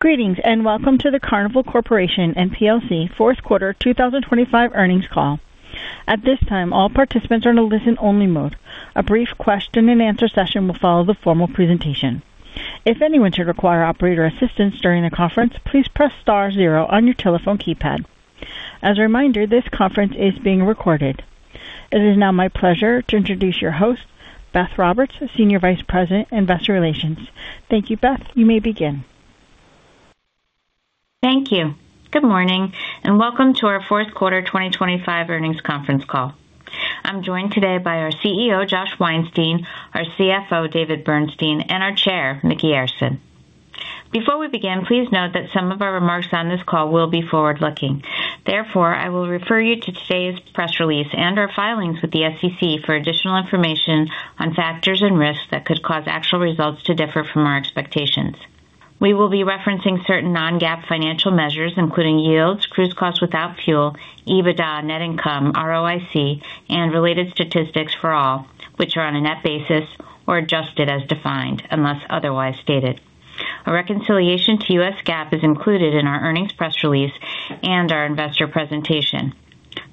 Greetings and welcome to the Carnival Corporation & plc Fourth Quarter 2025 earnings call. At this time, all participants are in a listen-only mode. A brief question-and-answer session will follow the formal presentation. If anyone should require operator assistance during the conference, please press star zero on your telephone keypad. As a reminder, this conference is being recorded. It is now my pleasure to introduce your host, Beth Roberts, Senior Vice President, Investor Relations. Thank you, Beth. You may begin. Thank you. Good morning and welcome to our Fourth Quarter 2025 earnings conference call. I'm joined today by our CEO, Josh Weinstein, our CFO, David Bernstein, and our Chair, Micky Arison. Before we begin, please note that some of our remarks on this call will be forward-looking. Therefore, I will refer you to today's press release and our filings with the SEC for additional information on factors and risks that could cause actual results to differ from our expectations. We will be referencing certain non-GAAP financial measures, including yields, cruise costs without fuel, EBITDA, net income, ROIC, and related statistics for all, which are on a net basis or adjusted as defined, unless otherwise stated. A reconciliation to U.S. GAAP is included in our earnings press release and our investor presentation.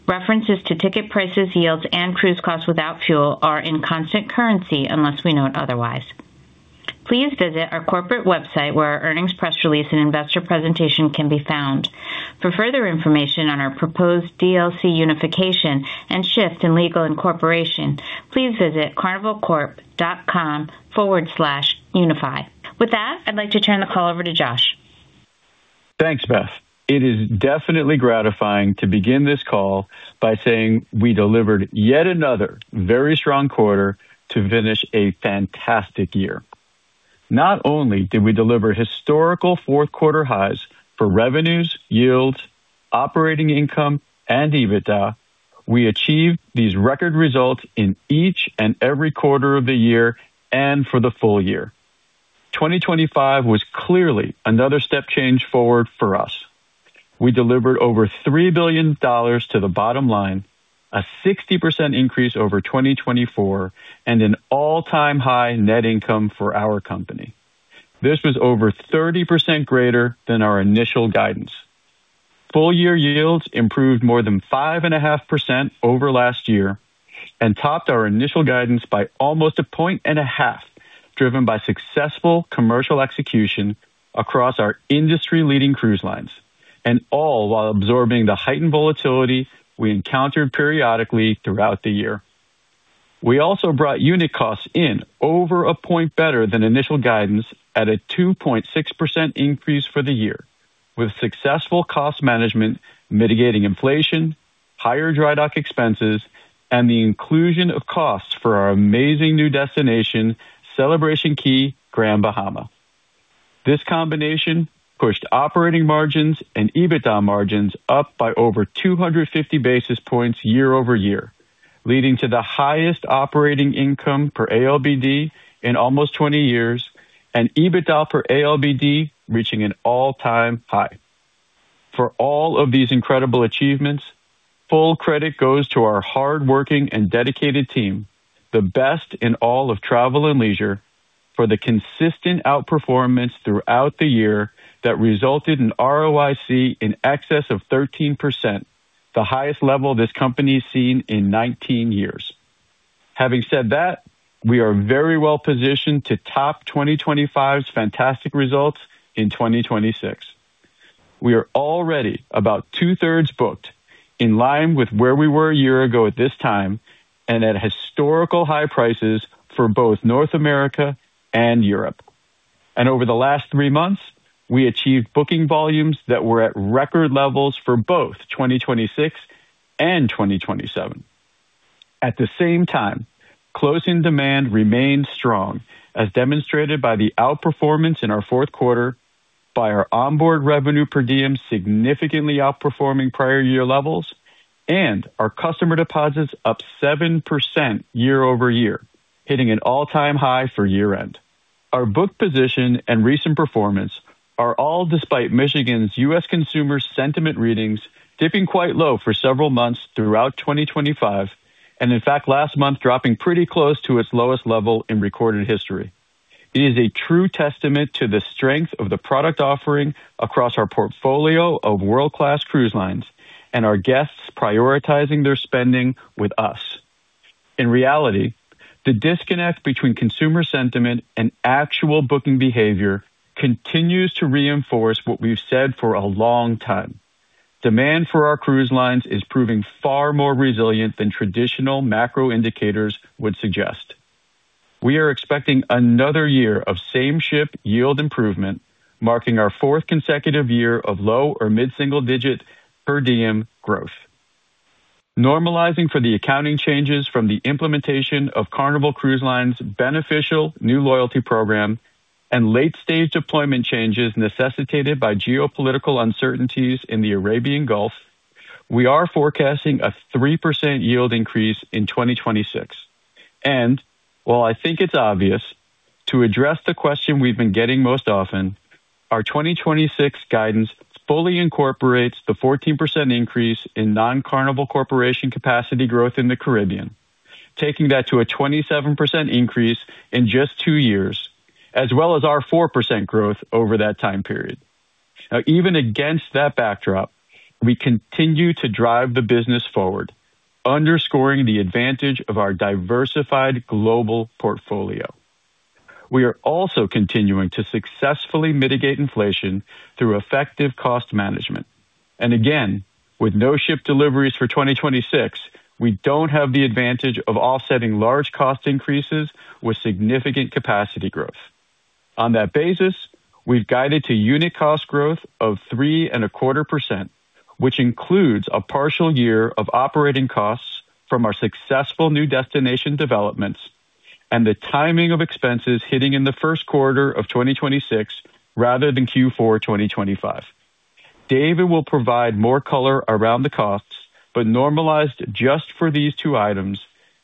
References to ticket prices, yields, and cruise costs without fuel are in constant currency unless we note otherwise. Please visit our corporate website where our earnings press release and investor presentation can be found. For further information on our proposed DLC unification and shift in legal incorporation, please visit carnivalcorp.com/unify. With that, I'd like to turn the call over to Josh. Thanks, Beth. It is definitely gratifying to begin this call by saying we delivered yet another very strong quarter to finish a fantastic year. Not only did we deliver historical fourth-quarter highs for revenues, yields, operating income, and EBITDA, we achieved these record results in each and every quarter of the year and for the full year. 2025 was clearly another step change forward for us. We delivered over $3 billion to the bottom line, a 60% increase over 2024, and an all-time high net income for our company. This was over 30% greater than our initial guidance. Full-year yields improved more than 5.5% over last year and topped our initial guidance by almost a point and a half, driven by successful commercial execution across our industry-leading cruise lines, and all while absorbing the heightened volatility we encountered periodically throughout the year. We also brought unit costs in over a point better than initial guidance at a 2.6% increase for the year, with successful cost management mitigating inflation, higher dry dock expenses, and the inclusion of costs for our amazing new destination, Celebration Key, Grand Bahama. This combination pushed operating margins and EBITDA margins up by over 250 basis points year over year, leading to the highest operating income per ALBD in almost 20 years and EBITDA per ALBD reaching an all-time high. For all of these incredible achievements, full credit goes to our hardworking and dedicated team, the best in all of travel and leisure, for the consistent outperformance throughout the year that resulted in ROIC in excess of 13%, the highest level this company has seen in 19 years. Having said that, we are very well positioned to top 2025's fantastic results in 2026. We are already about two-thirds booked, in line with where we were a year ago at this time and at historical high prices for both North America and Europe. And over the last three months, we achieved booking volumes that were at record levels for both 2026 and 2027. At the same time, closing demand remained strong, as demonstrated by the outperformance in our fourth quarter, by our onboard revenue per diem significantly outperforming prior year levels, and our customer deposits up 7% year over year, hitting an all-time high for year-end. Our book position and recent performance are all despite Michigan's U.S. consumer sentiment readings dipping quite low for several months throughout 2025, and in fact, last month dropping pretty close to its lowest level in recorded history. It is a true testament to the strength of the product offering across our portfolio of world-class cruise lines and our guests prioritizing their spending with us. In reality, the disconnect between consumer sentiment and actual booking behavior continues to reinforce what we've said for a long time. Demand for our cruise lines is proving far more resilient than traditional macro indicators would suggest. We are expecting another year of same-ship yield improvement, marking our fourth consecutive year of low or mid-single-digit per diem growth. Normalizing for the accounting changes from the implementation of Carnival Cruise Line's beneficial new loyalty program and late-stage deployment changes necessitated by geopolitical uncertainties in the Arabian Gulf, we are forecasting a 3% yield increase in 2026. While I think it's obvious, to address the question we've been getting most often, our 2026 guidance fully incorporates the 14% increase in non-Carnival Corporation capacity growth in the Caribbean, taking that to a 27% increase in just two years, as well as our 4% growth over that time period. Now, even against that backdrop, we continue to drive the business forward, underscoring the advantage of our diversified global portfolio. We are also continuing to successfully mitigate inflation through effective cost management. And again, with no ship deliveries for 2026, we don't have the advantage of offsetting large cost increases with significant capacity growth. On that basis, we've guided to unit cost growth of 3.25%, which includes a partial year of operating costs from our successful new destination developments and the timing of expenses hitting in the first quarter of 2026 rather than Q4 2025. David will provide more color around the costs, but normalized just for these two items,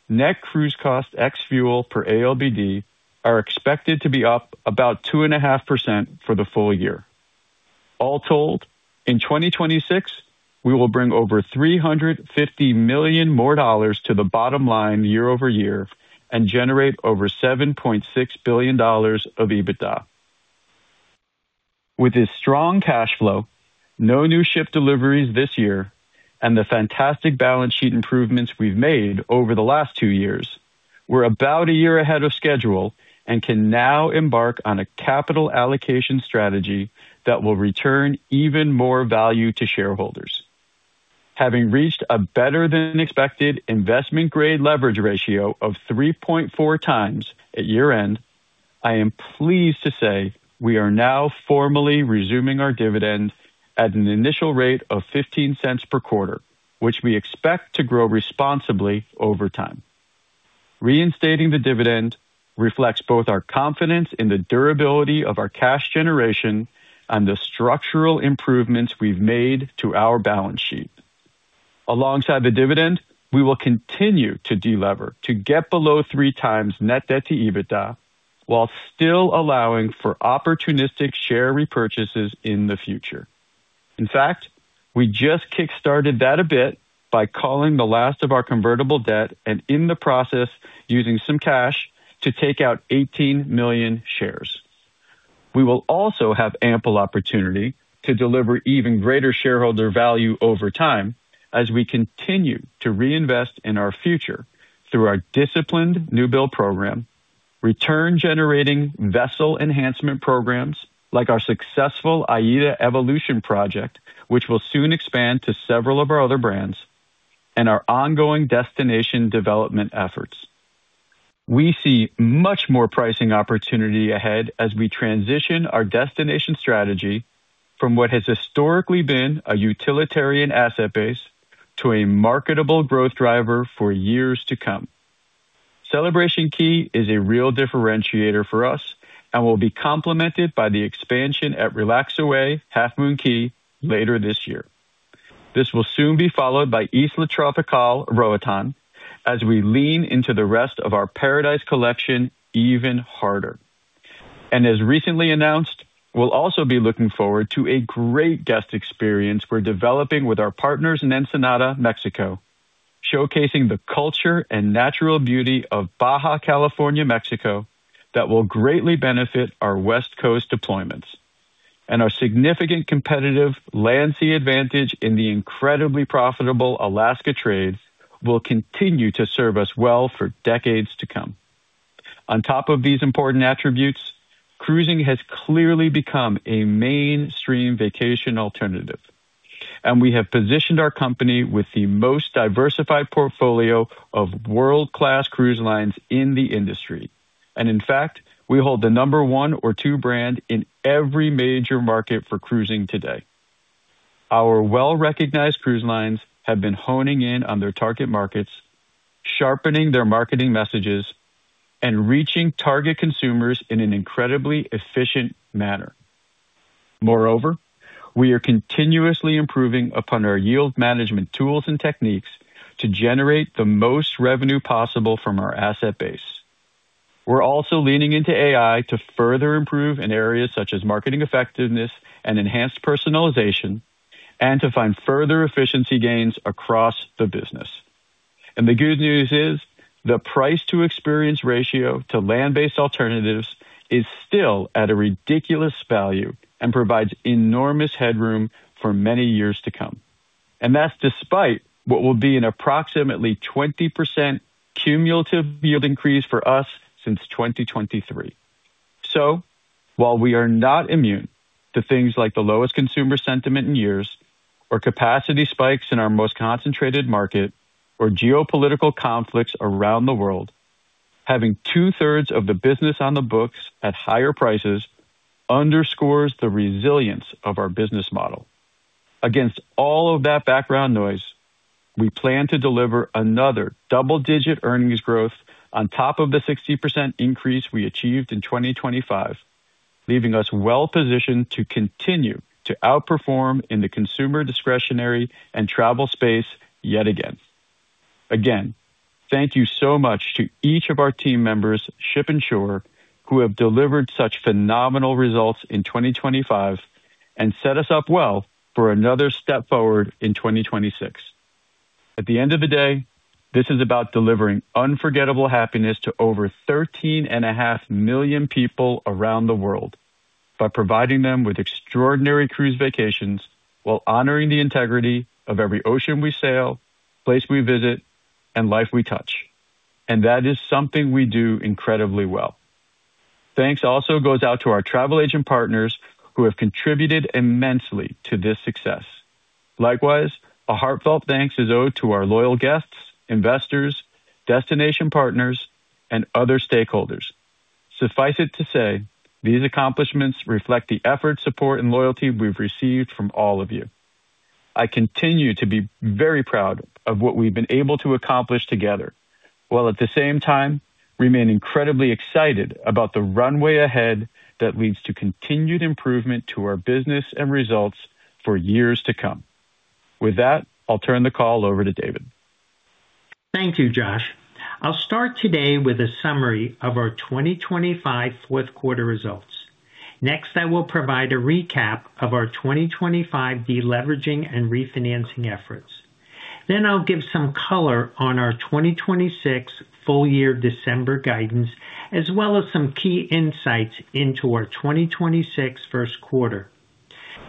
net cruise cost ex-fuel per ALBD are expected to be up about 2.5% for the full year. All told, in 2026, we will bring over $350 million more dollars to the bottom line year over year and generate over $7.6 billion of EBITDA. With this strong cash flow, no new ship deliveries this year, and the fantastic balance sheet improvements we've made over the last two years, we're about a year ahead of schedule and can now embark on a capital allocation strategy that will return even more value to shareholders. Having reached a better than expected investment-grade leverage ratio of 3.4 times at year-end, I am pleased to say we are now formally resuming our dividend at an initial rate of $0.15 per quarter, which we expect to grow responsibly over time. Reinstating the dividend reflects both our confidence in the durability of our cash generation and the structural improvements we've made to our balance sheet. Alongside the dividend, we will continue to delever to get below three times net debt to EBITDA while still allowing for opportunistic share repurchases in the future. In fact, we just kickstarted that a bit by calling the last of our convertible debt and in the process using some cash to take out 18 million shares. We will also have ample opportunity to deliver even greater shareholder value over time as we continue to reinvest in our future through our disciplined new build program, return-generating vessel enhancement programs like our successful AIDA Evolution project, which will soon expand to several of our other brands, and our ongoing destination development efforts. We see much more pricing opportunity ahead as we transition our destination strategy from what has historically been a utilitarian asset base to a marketable growth driver for years to come. Celebration Key is a real differentiator for us and will be complemented by the expansion at our legacy Half Moon Cay later this year. This will soon be followed by Isla Tropical, Roatán as we lean into the rest of our Paradise Collection even harder, and as recently announced, we'll also be looking forward to a great guest experience we're developing with our partners in Ensenada, Mexico, showcasing the culture and natural beauty of Baja California, Mexico, that will greatly benefit our West Coast deployments, and our significant competitive landside advantage in the incredibly profitable Alaska trades will continue to serve us well for decades to come. On top of these important attributes, cruising has clearly become a mainstream vacation alternative, and we have positioned our company with the most diversified portfolio of world-class cruise lines in the industry, and in fact, we hold the number one or two brand in every major market for cruising today. Our well-recognized cruise lines have been honing in on their target markets, sharpening their marketing messages, and reaching target consumers in an incredibly efficient manner. Moreover, we are continuously improving upon our yield management tools and techniques to generate the most revenue possible from our asset base. We're also leaning into AI to further improve in areas such as marketing effectiveness and enhanced personalization, and to find further efficiency gains across the business, and the good news is the price-to-experience ratio to land-based alternatives is still at a ridiculous value and provides enormous headroom for many years to come. And that's despite what will be an approximately 20% cumulative yield increase for us since 2023. So while we are not immune to things like the lowest consumer sentiment in years, or capacity spikes in our most concentrated market, or geopolitical conflicts around the world, having two-thirds of the business on the books at higher prices underscores the resilience of our business model. Against all of that background noise, we plan to deliver another double-digit earnings growth on top of the 60% increase we achieved in 2025, leaving us well-positioned to continue to outperform in the consumer discretionary and travel space yet again. Again, thank you so much to each of our team members, ship and shore, who have delivered such phenomenal results in 2025 and set us up well for another step forward in 2026. At the end of the day, this is about delivering unforgettable happiness to over 13.5 million people around the world by providing them with extraordinary cruise vacations while honoring the integrity of every ocean we sail, place we visit, and life we touch. And that is something we do incredibly well. Thanks also goes out to our travel agent partners who have contributed immensely to this success. Likewise, a heartfelt thanks is owed to our loyal guests, investors, destination partners, and other stakeholders. Suffice it to say, these accomplishments reflect the effort, support, and loyalty we've received from all of you. I continue to be very proud of what we've been able to accomplish together, while at the same time, remain incredibly excited about the runway ahead that leads to continued improvement to our business and results for years to come. With that, I'll turn the call over to David. Thank you, Josh. I'll start today with a summary of our 2025 fourth quarter results. Next, I will provide a recap of our 2025 deleveraging and refinancing efforts. Then I'll give some color on our 2026 full year December guidance, as well as some key insights into our 2026 first quarter.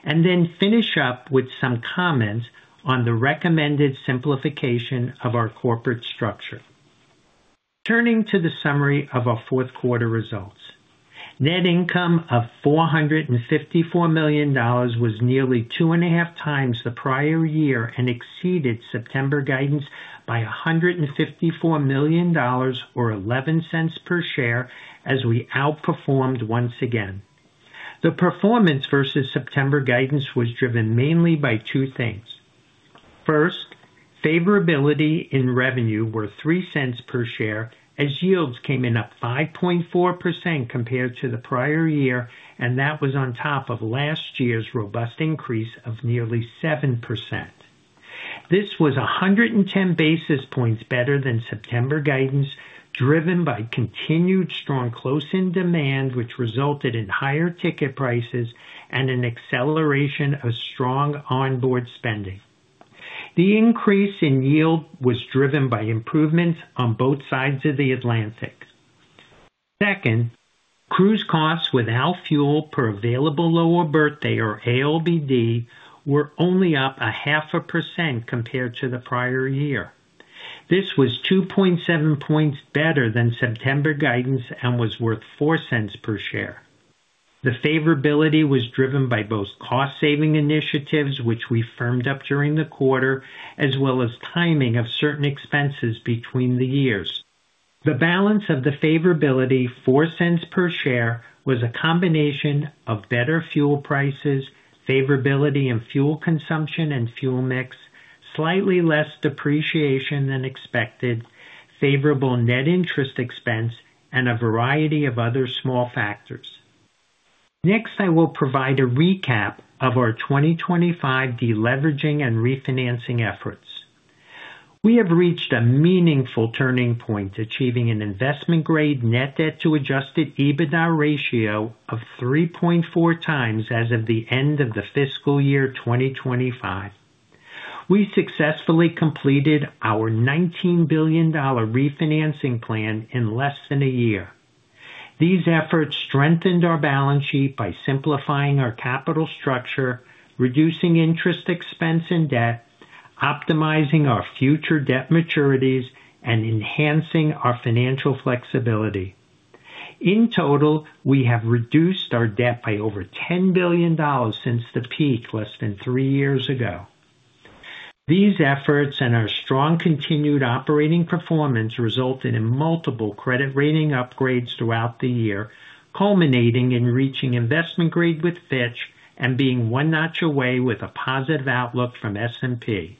And then finish up with some comments on the recommended simplification of our corporate structure. Turning to the summary of our fourth quarter results, net income of $454 million was nearly two and a half times the prior year and exceeded September guidance by $154 million or $0.11 per share as we outperformed once again. The performance versus September guidance was driven mainly by two things. First, favorability in revenue were $0.03 per share as yields came in up 5.4% compared to the prior year, and that was on top of last year's robust increase of nearly 7%. This was 110 basis points better than September guidance, driven by continued strong close-in demand, which resulted in higher ticket prices and an acceleration of strong onboard spending. The increase in yield was driven by improvements on both sides of the Atlantic. Second, cruise costs without fuel per available lower berth day or ALBD were only up 0.5% compared to the prior year. This was 2.7 points better than September guidance and was worth $0.04 per share. The favorability was driven by both cost-saving initiatives, which we firmed up during the quarter, as well as timing of certain expenses between the years. The balance of the favorability, $0.04 per share, was a combination of better fuel prices, favorability in fuel consumption and fuel mix, slightly less depreciation than expected, favorable net interest expense, and a variety of other small factors. Next, I will provide a recap of our 2025 deleveraging and refinancing efforts. We have reached a meaningful turning point, achieving an investment-grade net debt to adjusted EBITDA ratio of 3.4 times as of the end of the fiscal year 2025. We successfully completed our $19 billion refinancing plan in less than a year. These efforts strengthened our balance sheet by simplifying our capital structure, reducing interest expense and debt, optimizing our future debt maturities, and enhancing our financial flexibility. In total, we have reduced our debt by over $10 billion since the peak less than three years ago. These efforts and our strong continued operating performance resulted in multiple credit rating upgrades throughout the year, culminating in reaching investment grade with Fitch and being one notch away with a positive outlook from S&P.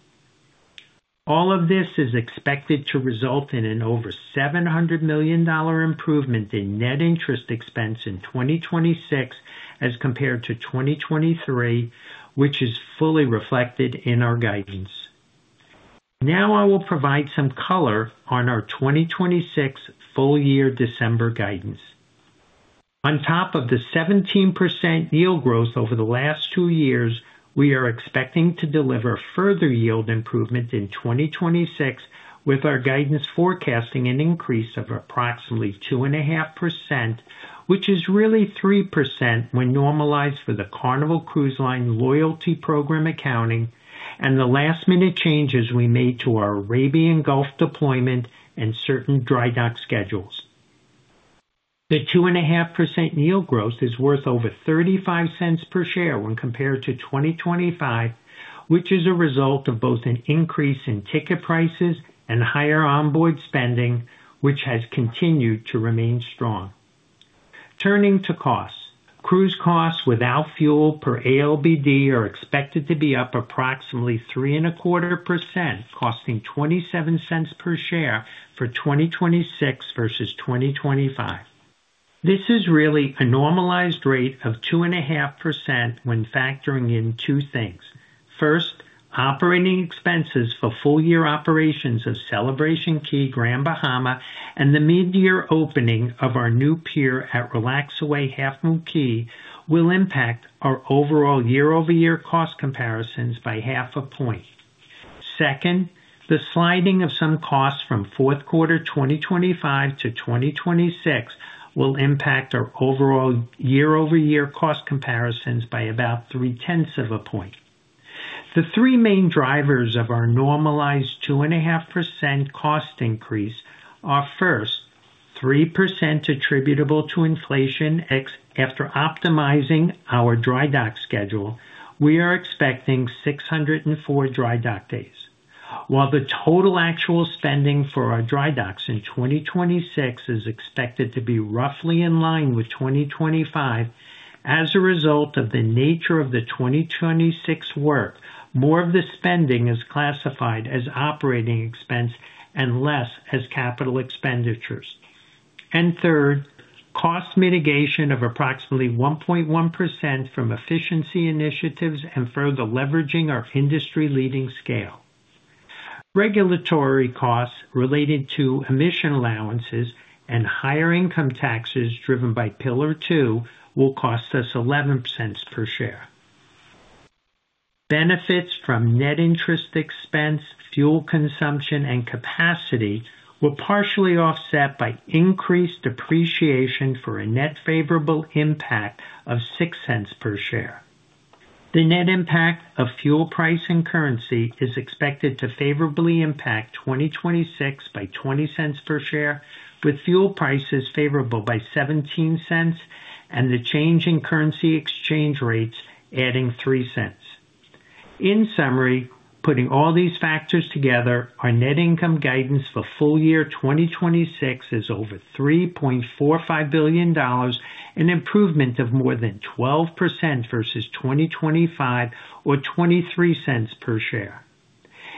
All of this is expected to result in an over $700 million improvement in net interest expense in 2026 as compared to 2023, which is fully reflected in our guidance. Now I will provide some color on our 2026 full year December guidance. On top of the 17% yield growth over the last two years, we are expecting to deliver further yield improvement in 2026 with our guidance forecasting an increase of approximately 2.5%, which is really 3% when normalized for the Carnival Cruise Line loyalty program accounting and the last-minute changes we made to our Arabian Gulf deployment and certain dry dock schedules. The 2.5% yield growth is worth over $0.35 per share when compared to 2025, which is a result of both an increase in ticket prices and higher onboard spending, which has continued to remain strong. Turning to costs, cruise costs without fuel per ALBD are expected to be up approximately 3.25%, costing $0.27 per share for 2026 versus 2025. This is really a normalized rate of 2.5% when factoring in two things. First, operating expenses for full year operations of Celebration Key Grand Bahama and the mid-year opening of our new pier at Relax Away Half Moon Cay will impact our overall year-over-year cost comparisons by half a point. Second, the sliding of some costs from fourth quarter 2025 to 2026 will impact our overall year-over-year cost comparisons by about three-tenths of a point. The three main drivers of our normalized 2.5% cost increase are first, 3% attributable to inflation after optimizing our dry dock schedule. We are expecting 604 dry dock days. While the total actual spending for our dry docks in 2026 is expected to be roughly in line with 2025, as a result of the nature of the 2026 work, more of the spending is classified as operating expense and less as capital expenditures, and third, cost mitigation of approximately 1.1% from efficiency initiatives and further leveraging our industry-leading scale. Regulatory costs related to emission allowances and higher income taxes driven by Pillar Two will cost us $0.11 per share. Benefits from net interest expense, fuel consumption, and capacity will partially offset by increased depreciation for a net favorable impact of $0.06 per share. The net impact of fuel price and currency is expected to favorably impact 2026 by $0.20 per share, with fuel prices favorable by $0.17 and the change in currency exchange rates adding $0.03. In summary, putting all these factors together, our net income guidance for full year 2026 is over $3.45 billion, an improvement of more than 12% versus 2025 or $0.23 per share.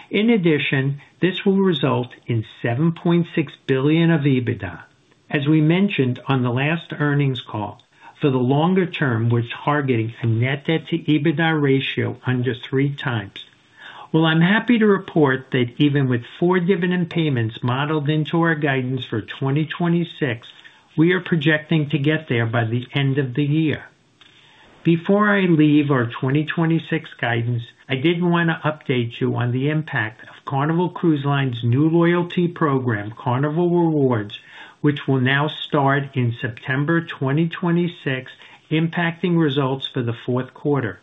In addition, this will result in $7.6 billion of EBITDA, as we mentioned on the last earnings call, for the longer term, we're targeting a net debt to EBITDA ratio under three times. I'm happy to report that even with four dividend payments modeled into our guidance for 2026, we are projecting to get there by the end of the year. Before I leave our 2026 guidance, I did want to update you on the impact of Carnival Cruise Line's new loyalty program, Carnival Rewards, which will now start in September 2026, impacting results for the fourth quarter.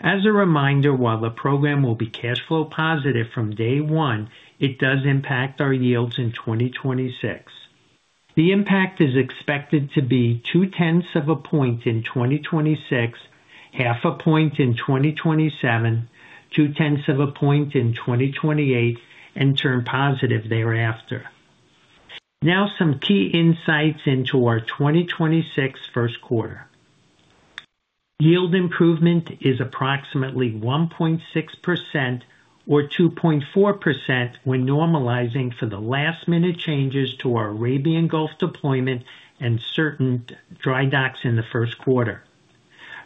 As a reminder, while the program will be cash flow positive from day one, it does impact our yields in 2026. The impact is expected to be two-tenths of a point in 2026, half a point in 2027, two-tenths of a point in 2028, and turn positive thereafter. Now, some key insights into our 2026 first quarter. Yield improvement is approximately 1.6% or 2.4% when normalizing for the last-minute changes to our Arabian Gulf deployment and certain dry docks in the first quarter.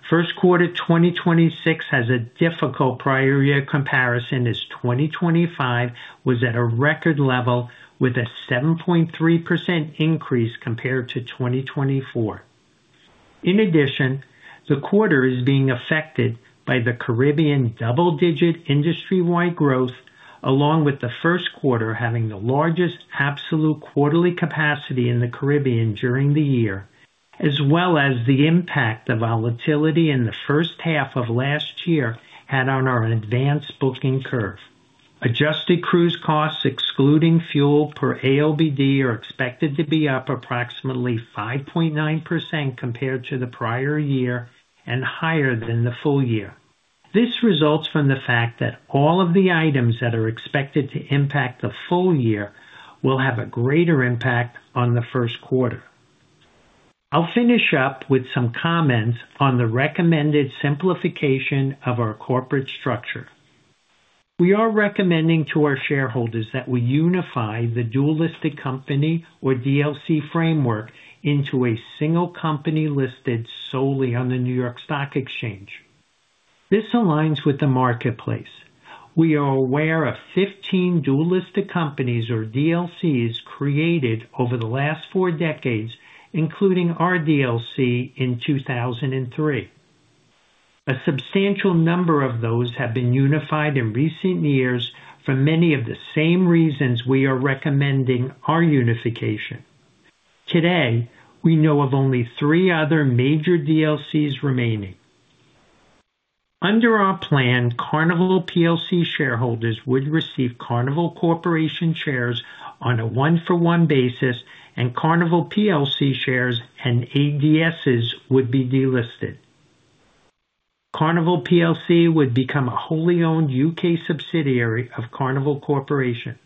First quarter 2026 has a difficult prior year comparison as 2025 was at a record level with a 7.3% increase compared to 2024. In addition, the quarter is being affected by the Caribbean double-digit industry-wide growth, along with the first quarter having the largest absolute quarterly capacity in the Caribbean during the year, as well as the impact of volatility in the first half of last year had on our advanced booking curve. Adjusted cruise costs, excluding fuel per ALBD, are expected to be up approximately 5.9% compared to the prior year and higher than the full year. This results from the fact that all of the items that are expected to impact the full year will have a greater impact on the first quarter. I'll finish up with some comments on the recommended simplification of our corporate structure. We are recommending to our shareholders that we unify the dual-listed company or DLC framework into a single company listed solely on the New York Stock Exchange. This aligns with the marketplace. We are aware of 15 dual-listed companies or DLCs created over the last four decades, including our DLC in 2003. A substantial number of those have been unified in recent years for many of the same reasons we are recommending our unification. Today, we know of only three other major DLCs remaining. Under our plan, Carnival PLC shareholders would receive Carnival Corporation shares on a one-for-one basis, and Carnival PLC shares and ADSs would be delisted. Carnival PLC would become a wholly owned U.K. subsidiary of Carnival Corporation.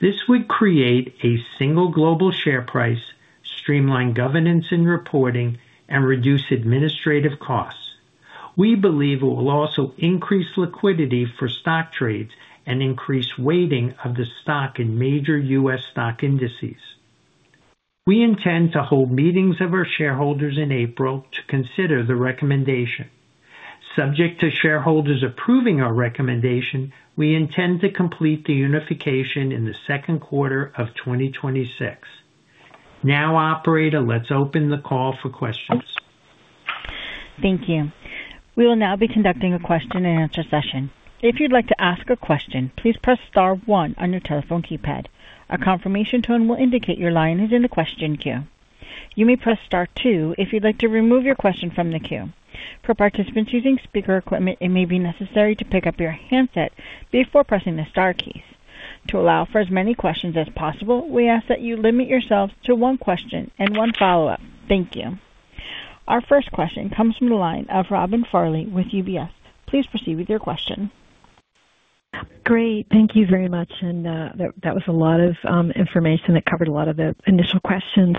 This would create a single global share price, streamline governance and reporting, and reduce administrative costs. We believe it will also increase liquidity for stock trades and increase weighting of the stock in major U.S. stock indices. We intend to hold meetings of our shareholders in April to consider the recommendation. Subject to shareholders approving our recommendation, we intend to complete the unification in the second quarter of 2026. Now, operator, let's open the call for questions. Thank you. We will now be conducting a question-and-answer session. If you'd like to ask a question, please press star one on your telephone keypad. A confirmation tone will indicate your line is in the question queue. You may press star two if you'd like to remove your question from the queue. For participants using speaker equipment, it may be necessary to pick up your handset before pressing the star keys. To allow for as many questions as possible, we ask that you limit yourselves to one question and one follow-up. Thank you. Our first question comes from the line of Robin Farley with UBS. Please proceed with your question. Great. Thank you very much and that was a lot of information that covered a lot of the initial questions.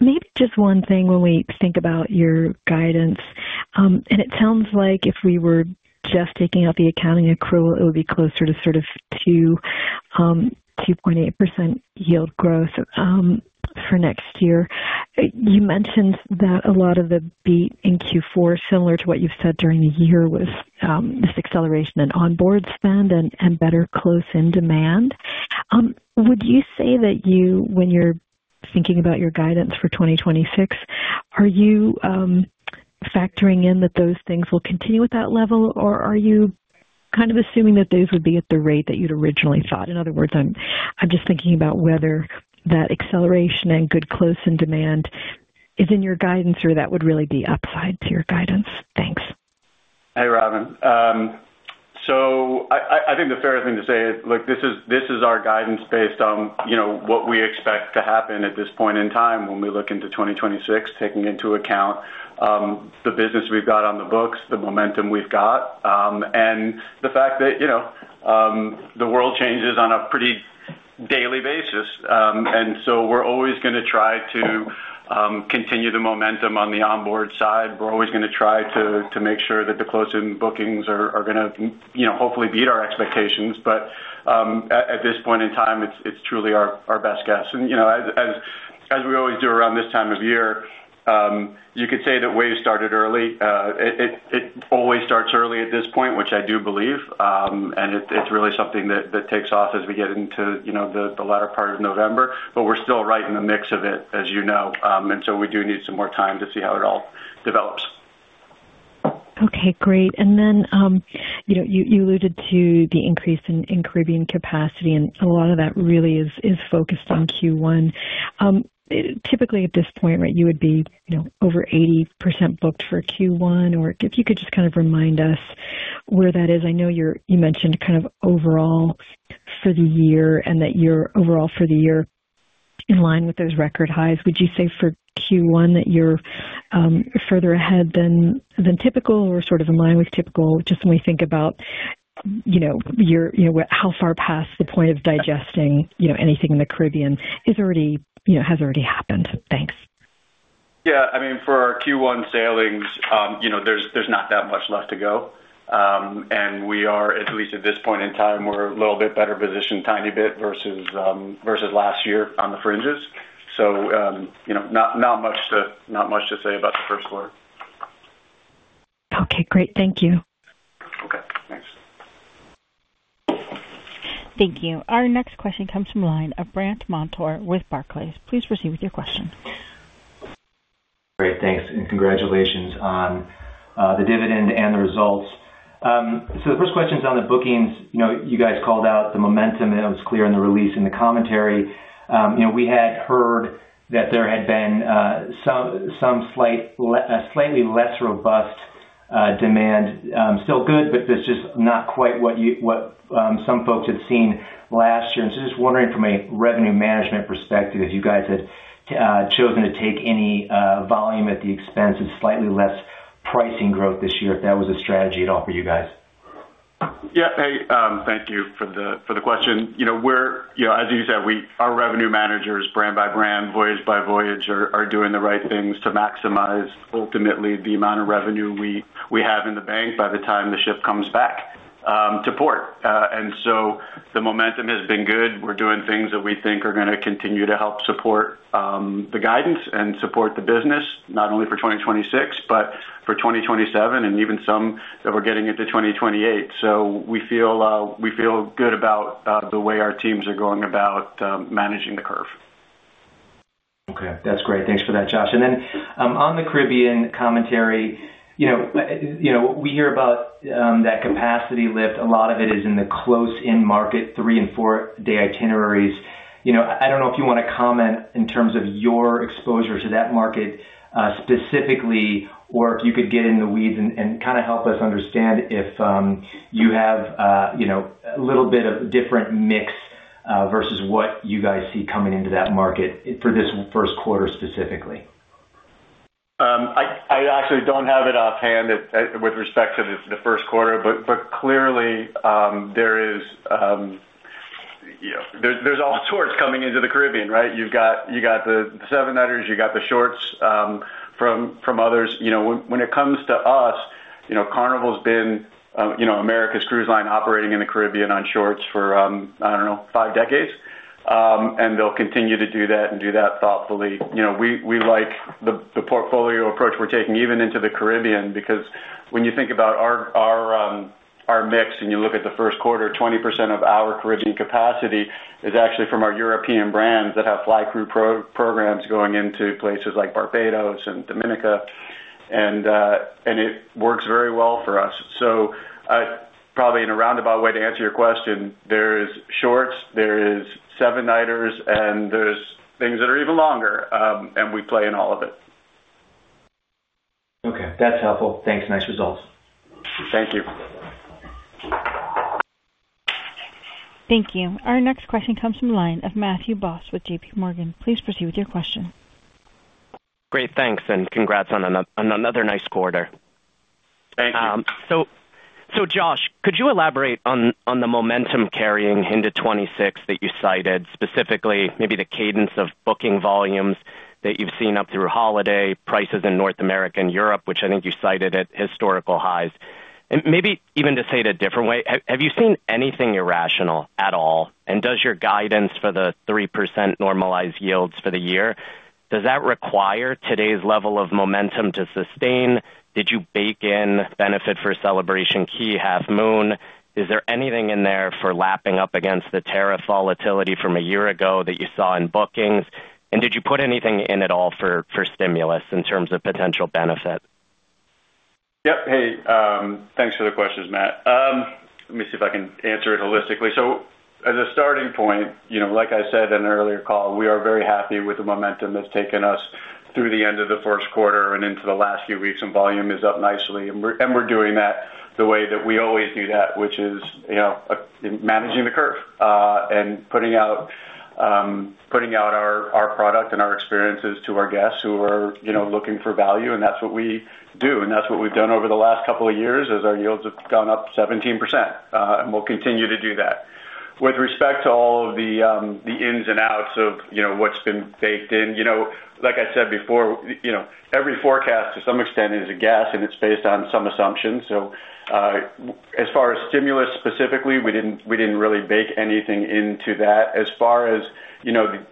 Maybe just one thing when we think about your guidance, and it sounds like if we were just taking out the accounting accrual, it would be closer to sort of 2.8% yield growth for next year. You mentioned that a lot of the beat in Q4, similar to what you've said during the year, was this acceleration in onboard spend and better close-in demand. Would you say that you, when you're thinking about your guidance for 2026, are you factoring in that those things will continue at that level, or are you kind of assuming that those would be at the rate that you'd originally thought? In other words, I'm just thinking about whether that acceleration and good close-in demand is in your guidance or that would really be upside to your guidance. Thanks. Hey, Robin. So I think the fair thing to say is this is our guidance based on what we expect to happen at this point in time when we look into 2026, taking into account the business we've got on the books, the momentum we've got, and the fact that the world changes on a pretty daily basis, and so we're always going to try to continue the momentum on the onboard side. We're always going to try to make sure that the close-in bookings are going to hopefully beat our expectations, but at this point in time, it's truly our best guess, and as we always do around this time of year, you could say that waves started early. It always starts early at this point, which I do believe, and it's really something that takes off as we get into the latter part of November. But we're still right in the mix of it, as you know. And so we do need some more time to see how it all develops. Okay. Great. And then you alluded to the increase in Caribbean capacity, and a lot of that really is focused on Q1. Typically, at this point, you would be over 80% booked for Q1. Or if you could just kind of remind us where that is. I know you mentioned kind of overall for the year and that you're overall for the year in line with those record highs. Would you say for Q1 that you're further ahead than typical or sort of in line with typical, just when we think about how far past the point of digesting anything in the Caribbean has already happened? Thanks. Yeah. I mean, for our Q1 sailings, there's not that much left to go. And we are, at least at this point in time, we're a little bit better positioned a tiny bit versus last year on the fringes, so not much to say about the first quarter. Okay. Great. Thank you. Okay. Thanks. Thank you. Our next question comes from the line of Brandt Montour with Barclays. Please proceed with your question. Great. Thanks, and congratulations on the dividend and the results, so the first question is on the bookings. You guys called out the momentum, and it was clear in the release and the commentary. We had heard that there had been some slightly less robust demand. Still good, but it's just not quite what some folks had seen last year. And so just wondering from a revenue management perspective, if you guys had chosen to take any volume at the expense of slightly less pricing growth this year, if that was a strategy at all for you guys? Yeah. Hey, thank you for the question. As you said, our revenue managers, brand by brand, voyage by voyage, are doing the right things to maximize, ultimately, the amount of revenue we have in the bank by the time the ship comes back to port. And so the momentum has been good. We're doing things that we think are going to continue to help support the guidance and support the business, not only for 2026, but for 2027, and even some that we're getting into 2028. So we feel good about the way our teams are going about managing the curve. Okay. That's great. Thanks for that, Josh. And then on the Caribbean commentary, we hear about that capacity lift. A lot of it is in the close-in market, three- and four-day itineraries. I don't know if you want to comment in terms of your exposure to that market specifically, or if you could get in the weeds and kind of help us understand if you have a little bit of a different mix versus what you guys see coming into that market for this first quarter specifically. I actually don't have it offhand with respect to the first quarter, but clearly, there's all sorts coming into the Caribbean, right? You've got the seven-nighters, you've got the shorts from others. When it comes to us, Carnival's been America's cruise line operating in the Caribbean on shorts for, I don't know, five decades. And they'll continue to do that and do that thoughtfully. We like the portfolio approach we're taking even into the Caribbean because when you think about our mix and you look at the first quarter, 20% of our Caribbean capacity is actually from our European brands that have flight crew programs going into places like Barbados and Dominica. And it works very well for us. So probably in a roundabout way to answer your question, there is shorts, there is seven-nighters, and there's things that are even longer. And we play in all of it. Okay. That's helpful. Thanks. Nice results. Thank you. Thank you. Our next question comes from the line of Matthew Boss with JPMorgan. Please proceed with your question. Great. Thanks. And congrats on another nice quarter. Josh, could you elaborate on the momentum carrying into 2026 that you cited, specifically maybe the cadence of booking volumes that you've seen up through holiday prices in North America and Europe, which I think you cited at historical highs? And maybe even to say it a different way, have you seen anything irrational at all? And does your guidance for the 3% normalized yields for the year, does that require today's level of momentum to sustain? Did you bake in benefit for Celebration Key, Half Moon Cay? Is there anything in there for lapping up against the tariff volatility from a year ago that you saw in bookings? And did you put anything in at all for stimulus in terms of potential benefit? Yep. Hey, thanks for the questions, Matt. Let me see if I can answer it holistically. So as a starting point, like I said in an earlier call, we are very happy with the momentum that's taken us through the end of the first quarter and into the last few weeks, and volume is up nicely. And we're doing that the way that we always do that, which is managing the curve and putting out our product and our experiences to our guests who are looking for value. And that's what we do. And that's what we've done over the last couple of years as our yields have gone up 17%. And we'll continue to do that. With respect to all of the ins and outs of what's been baked in, like I said before, every forecast to some extent is a guess, and it's based on some assumptions. So as far as stimulus specifically, we didn't really bake anything into that. As far as the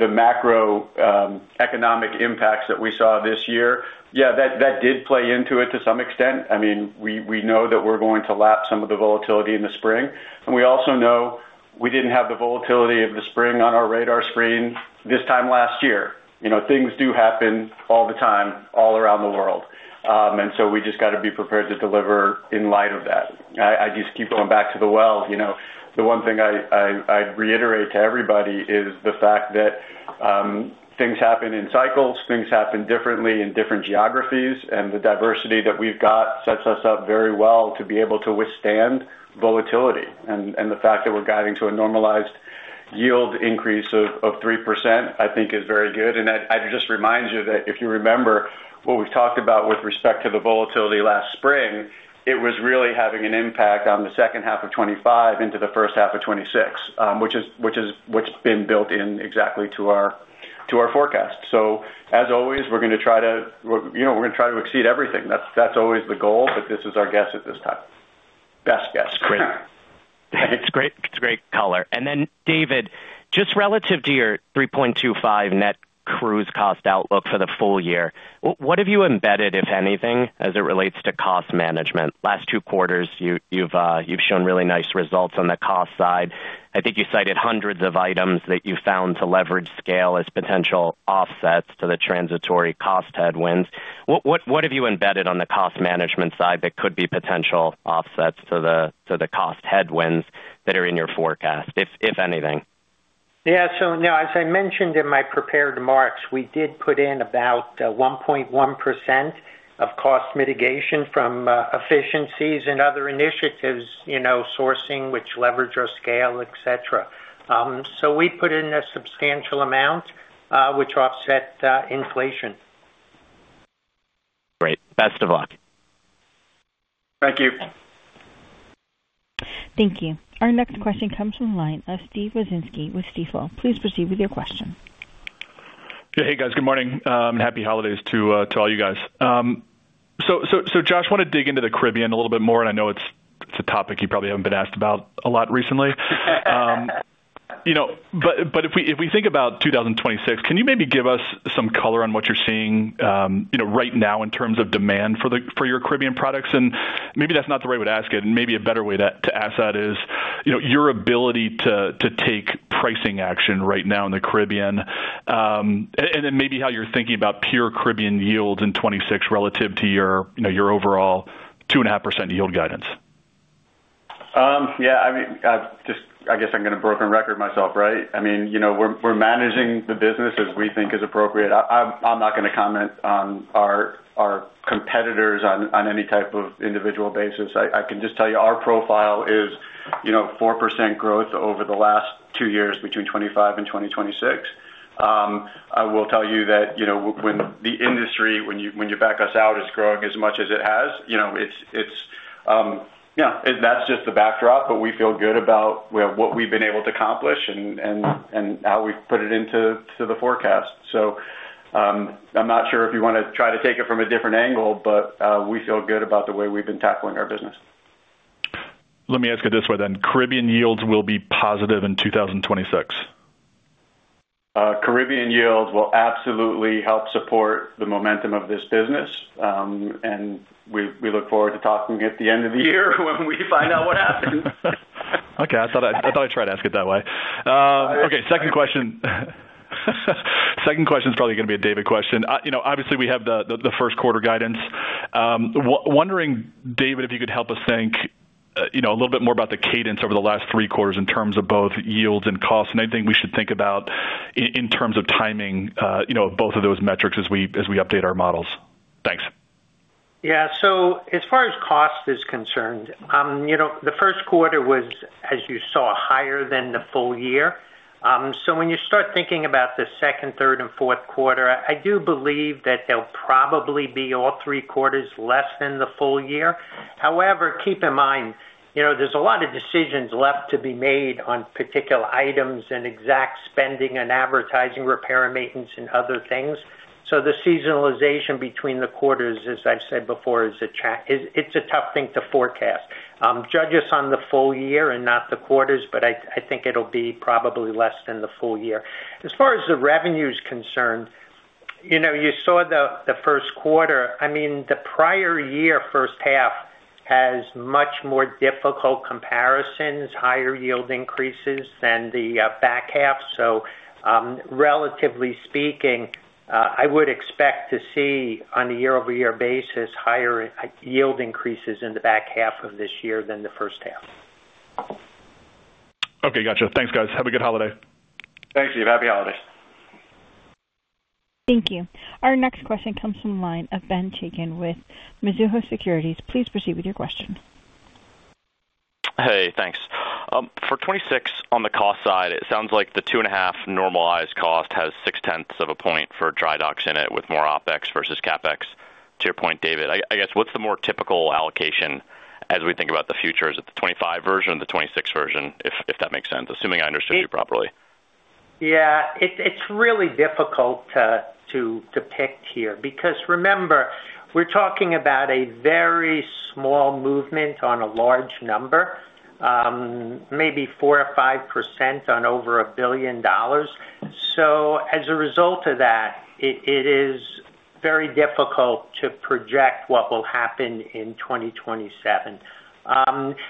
macroeconomic impacts that we saw this year, yeah, that did play into it to some extent. I mean, we know that we're going to lap some of the volatility in the spring. And we also know we didn't have the volatility of the spring on our radar screen this time last year. Things do happen all the time all around the world. And so we just got to be prepared to deliver in light of that. I just keep going back to the well. The one thing I'd reiterate to everybody is the fact that things happen in cycles. Things happen differently in different geographies. And the diversity that we've got sets us up very well to be able to withstand volatility. And the fact that we're guiding to a normalized yield increase of 3%, I think, is very good. And I just remind you that if you remember what we've talked about with respect to the volatility last spring, it was really having an impact on the second half of 2025 into the first half of 2026, which has been built in exactly to our forecast. So as always, we're going to try to exceed everything. That's always the goal, but this is our guess at this time. Best guess. Great. Thanks. It's great color. And then, David, just relative to your 3.25 net cruise cost outlook for the full year, what have you embedded, if anything, as it relates to cost management? Last two quarters, you've shown really nice results on the cost side. I think you cited hundreds of items that you found to leverage scale as potential offsets to the transitory cost headwinds. What have you embedded on the cost management side that could be potential offsets to the cost headwinds that are in your forecast, if anything? Yeah. So now, as I mentioned in my prepared remarks, we did put in about 1.1% of cost mitigation from efficiencies and other initiatives, sourcing, which leverage our scale, etc. So we put in a substantial amount, which offset inflation. Great. Best of luck. Thank you. Thank you. Our next question comes from the line of Steven Wieczynski with Stifel. Please proceed with your question. Hey, guys. Good morning. Happy holidays to all you guys. So, Josh, I want to dig into the Caribbean a little bit more. And I know it's a topic you probably haven't been asked about a lot recently. If we think about 2026, can you maybe give us some color on what you're seeing right now in terms of demand for your Caribbean products? Maybe that's not the right way to ask it. Maybe a better way to ask that is your ability to take pricing action right now in the Caribbean, and then maybe how you're thinking about pure Caribbean yields in 2026 relative to your overall 2.5% yield guidance. Yeah. I mean, I guess I'm going to broken record myself, right? I mean, we're managing the business as we think is appropriate. I'm not going to comment on our competitors on any type of individual basis. I can just tell you our profile is 4% growth over the last two years between 2025 and 2026. I will tell you that when the industry, when you back us out, is growing as much as it has, it's yeah, that's just the backdrop. But we feel good about what we've been able to accomplish and how we've put it into the forecast. So I'm not sure if you want to try to take it from a different angle, but we feel good about the way we've been tackling our business. Let me ask it this way then. Caribbean yields will be positive in 2026? Caribbean yields will absolutely help support the momentum of this business. And we look forward to talking at the end of the year when we find out what happened. Okay. I thought I'd try to ask it that way. Okay. Second question. Second question is probably going to be a David question. Obviously, we have the first quarter guidance. Wondering, David, if you could help us think a little bit more about the cadence over the last three quarters in terms of both yields and costs, and anything we should think about in terms of timing of both of those metrics as we update our models. Thanks. Yeah. So as far as cost is concerned, the first quarter was, as you saw, higher than the full year. So when you start thinking about the second, third, and fourth quarter, I do believe that there'll probably be all three quarters less than the full year. However, keep in mind, there's a lot of decisions left to be made on particular items and exact spending and advertising, repair, and maintenance, and other things. So the seasonalization between the quarters, as I've said before, it's a tough thing to forecast. Judge us on the full year and not the quarters, but I think it'll be probably less than the full year. As far as the revenue is concerned, you saw the first quarter. I mean, the prior year first half has much more difficult comparisons, higher yield increases than the back half. So relatively speaking, I would expect to see on a year-over-year basis higher yield increases in the back half of this year than the first half. Okay. Gotcha. Thanks, guys. Have a good holiday. Thanks, Steve. Happy holidays. Thank you. Our next question comes from the line of Ben Chaiken with Mizuho Securities. Please proceed with your question. Hey, thanks. For 2026 on the cost side, it sounds like the 2.5 normalized cost has 0.6 of a point for dry docks in it with more OpEx versus CapEx. To your point, David, I guess what's the more typical allocation as we think about the future? Is it the 2025 version or the 2026 version, if that makes sense, assuming I understood you properly? Yeah. It's really difficult to depict here because, remember, we're talking about a very small movement on a large number, maybe 4% or 5% on over $1 billion. So as a result of that, it is very difficult to project what will happen in 2027.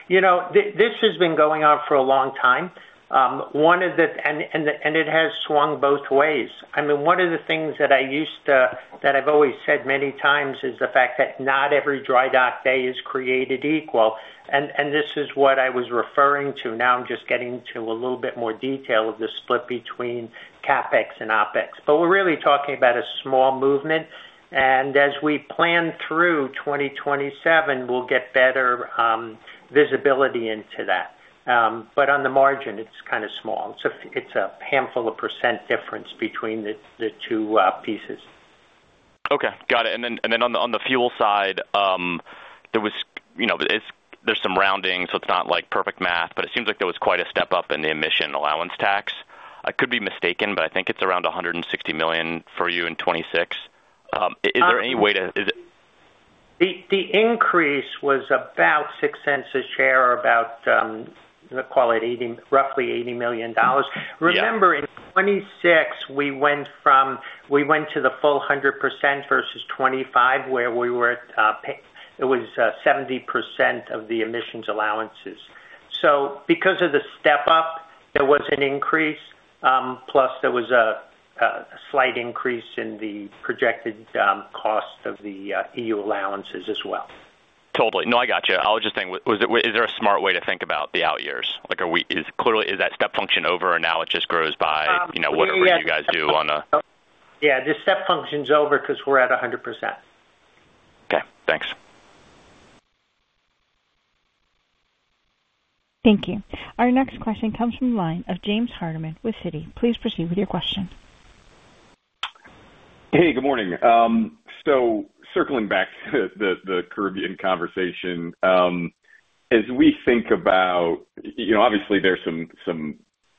This has been going on for a long time, and it has swung both ways. I mean, one of the things that I used to that I've always said many times is the fact that not every dry dock day is created equal. And this is what I was referring to. Now I'm just getting to a little bit more detail of the split between CapEx and OpEx. But we're really talking about a small movement. And as we plan through 2027, we'll get better visibility into that. But on the margin, it's kind of small. It's a handful of % difference between the two pieces. Okay. Got it. And then on the fuel side, there's some rounding, so it's not perfect math, but it seems like there was quite a step up in the emission allowance tax. I could be mistaken, but I think it's around $160 million for you in 2026. Is there any way to? The increase was about $0.06 a share or about, call it roughly $80 million. Remember, in 2026, we went to the full 100% versus 2025, where we were at it was 70% of the emissions allowances. So because of the step up, there was an increase, plus there was a slight increase in the projected cost of the EU allowances as well. Totally. No, I gotcha. I was just saying, is there a smart way to think about the out years? Clearly, is that step function over, or now it just grows by whatever you guys do on a? Yeah. The step function's over because we're at 100%. Okay. Thanks. Thank you. Our next question comes from the line of James Hardiman with Citi. Please proceed with your question. Hey, good morning. So circling back to the Caribbean conversation, as we think about, obviously, there's some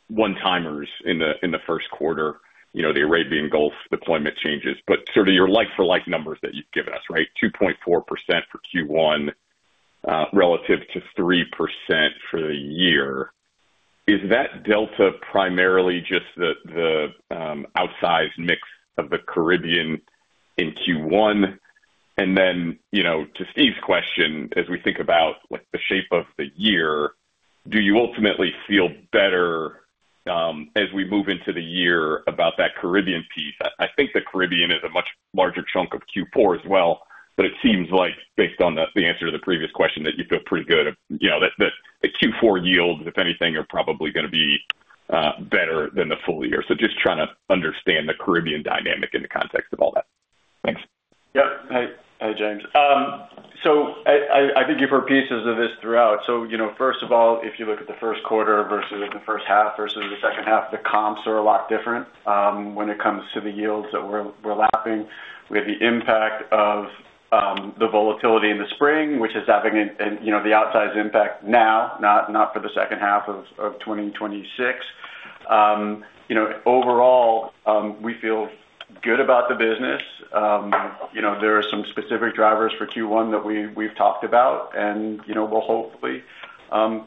one-timers in the first quarter, the Arabian Gulf deployment changes, but sort of your like-for-like numbers that you've given us, right? 2.4% for Q1 relative to 3% for the year. Is that delta primarily just the outsized mix of the Caribbean in Q1? And then to Steve's question, as we think about the shape of the year, do you ultimately feel better as we move into the year about that Caribbean piece? I think the Caribbean is a much larger chunk of Q4 as well, but it seems like, based on the answer to the previous question, that you feel pretty good. The Q4 yields, if anything, are probably going to be better than the full year. So just trying to understand the Caribbean dynamic in the context of all that. Thanks. Yep. Hey, James. So I think you've heard pieces of this throughout. So first of all, if you look at the first quarter versus the first half versus the second half, the comps are a lot different when it comes to the yields that we're lapping. We have the impact of the volatility in the spring, which is having the outsized impact now, not for the second half of 2026. Overall, we feel good about the business. There are some specific drivers for Q1 that we've talked about, and we'll hopefully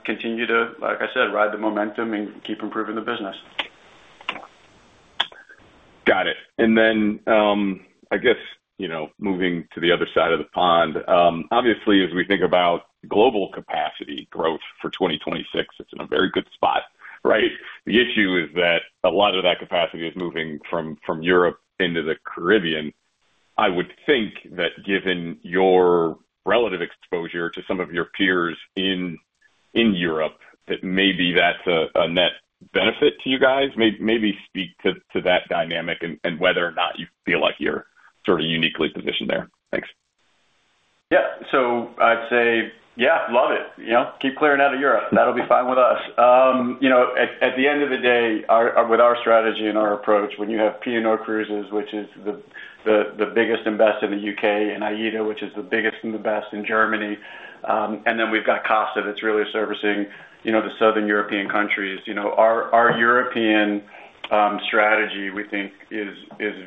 continue to, like I said, ride the momentum and keep improving the business. Got it. And then I guess moving to the other side of the pond, obviously, as we think about global capacity growth for 2026, it's in a very good spot, right? The issue is that a lot of that capacity is moving from Europe into the Caribbean. I would think that given your relative exposure to some of your peers in Europe, that maybe that's a net benefit to you guys. Maybe speak to that dynamic and whether or not you feel like you're sort of uniquely positioned there. Thanks. Yeah. So I'd say, yeah, love it. Keep clearing out of Europe. That'll be fine with us. At the end of the day, with our strategy and our approach, when you have P&O Cruises, which is the biggest and best in the UK, and AIDA, which is the biggest and the best in Germany, and then we've got Costa that's really servicing the southern European countries, our European strategy, we think, is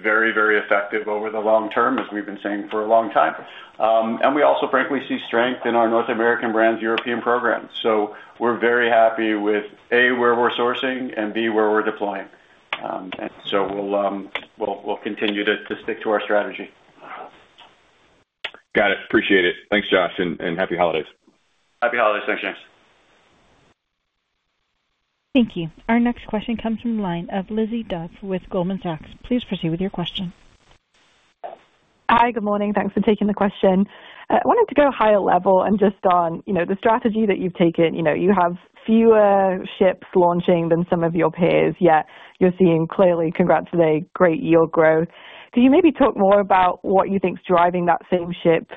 very, very effective over the long term, as we've been saying for a long time. And we also, frankly, see strength in our North American brand's European program. So we're very happy with, A, where we're sourcing, and B, where we're deploying. And so we'll continue to stick to our strategy. Got it. Appreciate it. Thanks, Josh, and happy holidays. Happy holidays. Thanks, James. Thank you. Our next question comes from the line of Lizzie Dove with Goldman Sachs. Please proceed with your question. Hi. Good morning. Thanks for taking the question. I wanted to go higher level and just on the strategy that you've taken. You have fewer ships launching than some of your peers, yet you're seeing clearly, congratulations, great yield growth. Could you maybe talk more about what you think's driving that same ship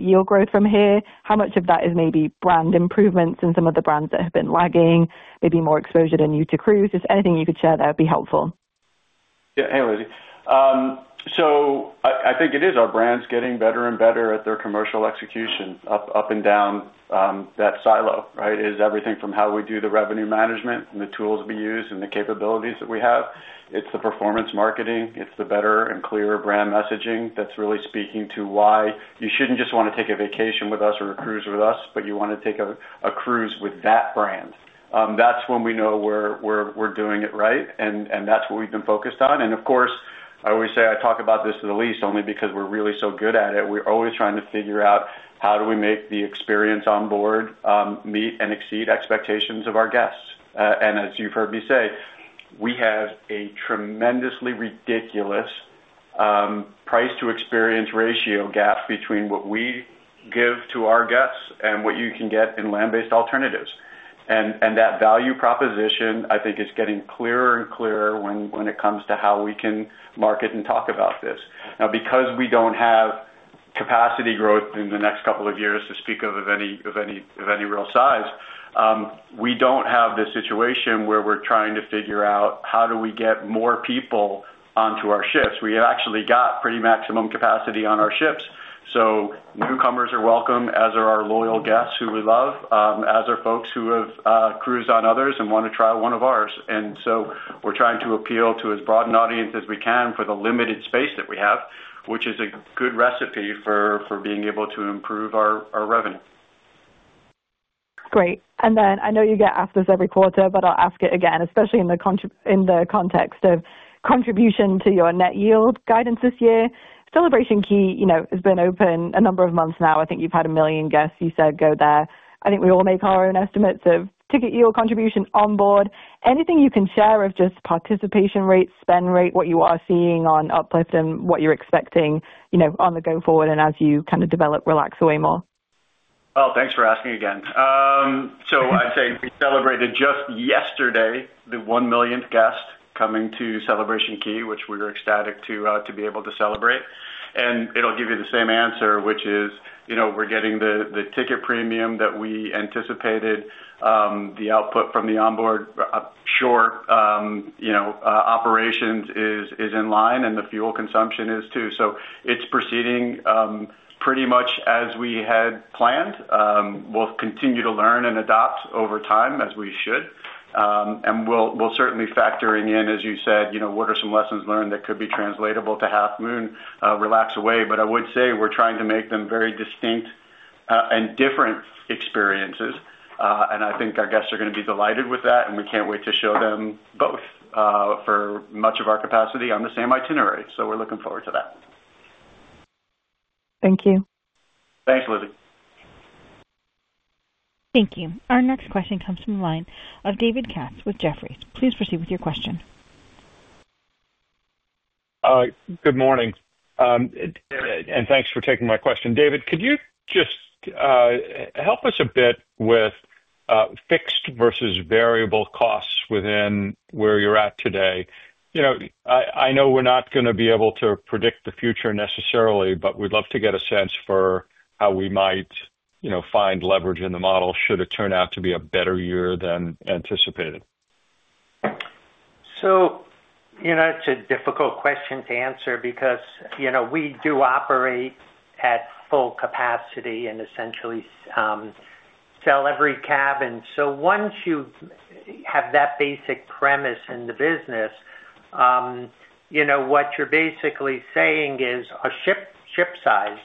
yield growth from here? How much of that is maybe brand improvements and some of the brands that have been lagging, maybe more exposure than you to cruise? If anything you could share there, it'd be helpful. Yeah. Hey, Lizzie. So I think it is our brands getting better and better at their commercial execution, up and down that silo, right? It is everything from how we do the revenue management and the tools we use and the capabilities that we have. It's the performance marketing. It's the better and clearer brand messaging that's really speaking to why you shouldn't just want to take a vacation with us or a cruise with us, but you want to take a cruise with that brand. That's when we know we're doing it right, and that's what we've been focused on, and of course, I always say I talk about this the least only because we're really so good at it. We're always trying to figure out how do we make the experience on board meet and exceed expectations of our guests, and as you've heard me say, we have a tremendously ridiculous price-to-experience ratio gap between what we give to our guests and what you can get in land-based alternatives, and that value proposition, I think, is getting clearer and clearer when it comes to how we can market and talk about this. Now, because we don't have capacity growth in the next couple of years to speak of any real size, we don't have this situation where we're trying to figure out how do we get more people onto our ships. We have actually got pretty maximum capacity on our ships. So newcomers are welcome, as are our loyal guests who we love, as are folks who have cruised on others and want to try one of ours. And so we're trying to appeal to as broad an audience as we can for the limited space that we have, which is a good recipe for being able to improve our revenue. Great. And then I know you get asked this every quarter, but I'll ask it again, especially in the context of contribution to your net yield guidance this year. Celebration Key has been open a number of months now. I think you've had a million guests, you said, go there. I think we all make our own estimates of ticket yield contribution on board. Anything you can share of just participation rate, spend rate, what you are seeing on uplift and what you're expecting on the go forward and as you kind of develop, relax away more? Well, thanks for asking again. So I'd say we celebrated just yesterday the one millionth guest coming to Celebration Key, which we were ecstatic to be able to celebrate. And it'll give you the same answer, which is we're getting the ticket premium that we anticipated. The output from the onboard shore operations is in line, and the fuel consumption is too. So it's proceeding pretty much as we had planned. We'll continue to learn and adopt over time, as we should. We'll certainly factor in, as you said, what are some lessons learned that could be translatable to Half Moon Cay. But I would say we're trying to make them very distinct and different experiences. I think our guests are going to be delighted with that, and we can't wait to show them both for much of our capacity on the same itinerary. We're looking forward to that. Thank you. Thanks, Lizzie. Thank you. Our next question comes from the line of David Katz with Jefferies. Please proceed with your question. Good morning. Thanks for taking my question. David, could you just help us a bit with fixed versus variable costs within where you're at today? I know we're not going to be able to predict the future necessarily, but we'd love to get a sense for how we might find leverage in the model should it turn out to be a better year than anticipated. So it's a difficult question to answer because we do operate at full capacity and essentially sell every cabin. So once you have that basic premise in the business, what you're basically saying is a ship size.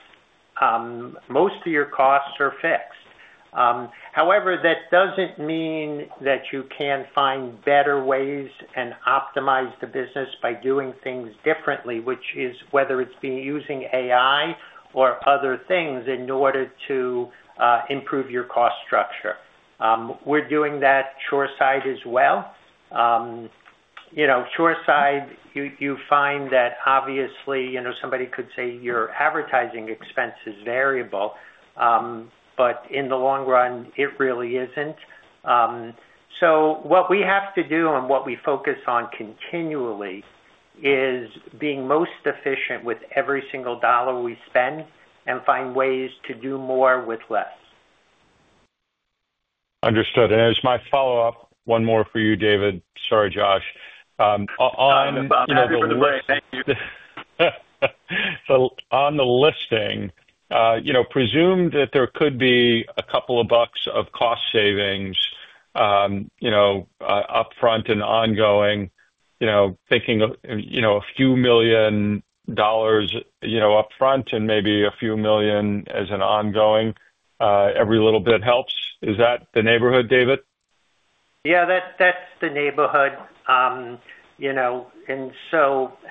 Most of your costs are fixed. However, that doesn't mean that you can't find better ways and optimize the business by doing things differently, which is whether it's being used using AI or other things in order to improve your cost structure. We're doing that shore side as well. Shore side, you find that obviously somebody could say your advertising expense is variable, but in the long run, it really isn't. So what we have to do and what we focus on continually is being most efficient with every single dollar we spend and find ways to do more with less. Understood. And as my follow-up, one more for you, David. Sorry, Josh. On the listing, presumed that there could be a couple of bucks of cost savings upfront and ongoing, thinking a few million dollars upfront and maybe a few million as an ongoing, every little bit helps. Is that the neighborhood, David? Yeah, that's the neighborhood.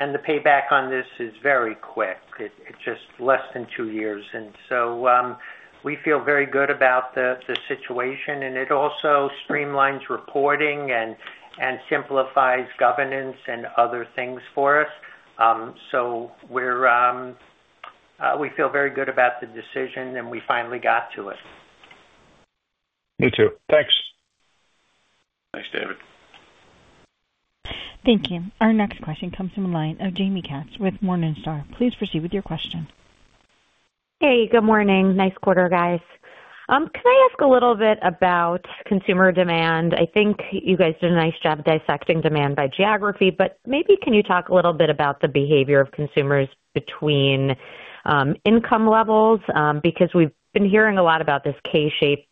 And the payback on this is very quick. It's just less than two years. And so we feel very good about the situation, and it also streamlines reporting and simplifies governance and other things for us. So we feel very good about the decision, and we finally got to it. Me too. Thanks. Thanks, David. Thank you. Our next question comes from the line of Jamie Katz with Morningstar. Please proceed with your question. Hey, good morning. Nice quarter, guys. Can I ask a little bit about consumer demand? I think you guys did a nice job dissecting demand by geography, but maybe can you talk a little bit about the behavior of consumers between income levels? Because we've been hearing a lot about this K-shaped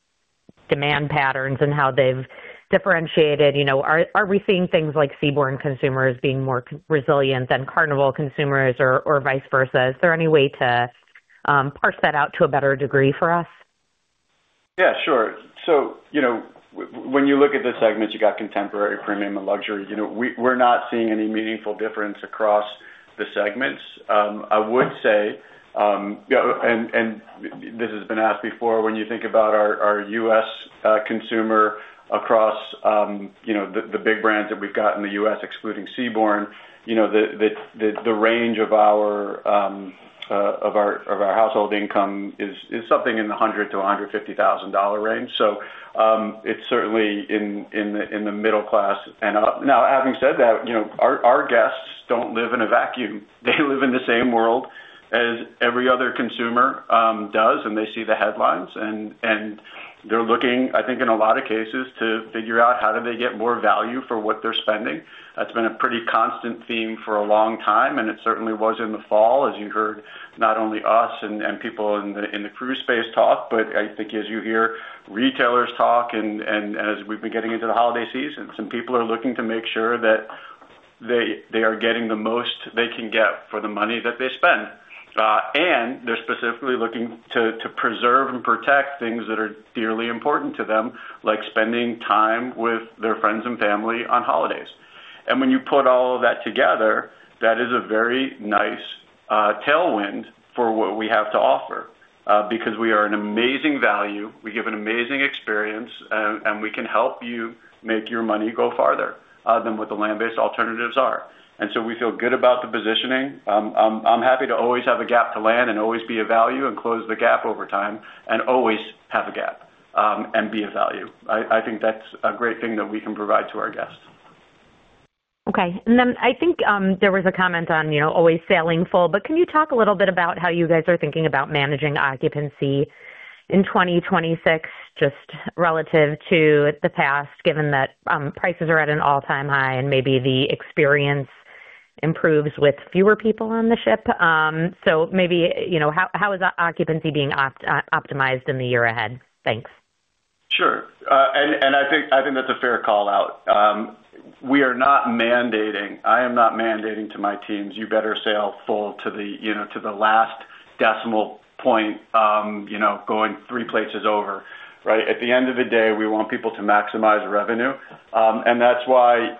demand patterns and how they've differentiated. Are we seeing things like Seabourn consumers being more resilient than Carnival consumers or vice versa? Is there any way to parse that out to a better degree for us? Yeah, sure. So when you look at the segments, you got contemporary, premium, and luxury. We're not seeing any meaningful difference across the segments. I would say, and this has been asked before, when you think about our U.S. consumer across the big brands that we've got in the U.S., excluding Seabourn, the range of our household income is something in the $100,000-$150,000 range. So it's certainly in the middle class and up. Now, having said that, our guests don't live in a vacuum. They live in the same world as every other consumer does, and they see the headlines. And they're looking, I think, in a lot of cases, to figure out how do they get more value for what they're spending. That's been a pretty constant theme for a long time, and it certainly was in the fall, as you heard not only us and people in the cruise space talk, but I think as you hear retailers talk and as we've been getting into the holiday season, some people are looking to make sure that they are getting the most they can get for the money that they spend. And they're specifically looking to preserve and protect things that are dearly important to them, like spending time with their friends and family on holidays. And when you put all of that together, that is a very nice tailwind for what we have to offer because we are an amazing value. We give an amazing experience, and we can help you make your money go farther than what the land-based alternatives are. And so we feel good about the positioning. I'm happy to always have a gap to land and always be a value and close the gap over time and always have a gap and be a value. I think that's a great thing that we can provide to our guests. Okay. And then I think there was a comment on always sailing full, but can you talk a little bit about how you guys are thinking about managing occupancy in 2026, just relative to the past, given that prices are at an all-time high and maybe the experience improves with fewer people on the ship? So maybe how is occupancy being optimized in the year ahead? Thanks. Sure. And I think that's a fair call out. We are not mandating. I am not mandating to my teams, "You better sail full to the last decimal point going three places over," right? At the end of the day, we want people to maximize revenue. That's why